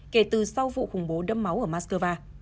kể từ sau vụ khủng bố đẫm máu ở moscow